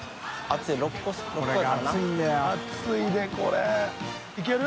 熱いでこれいける？